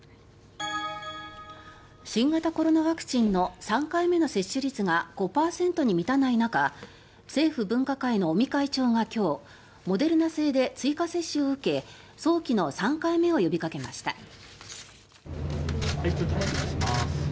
新型コロナワクチンの３回目の接種率が５％に満たない中政府分科会の尾身会長が今日モデルナ製で追加接種を受け早期の３回目を呼びかけました。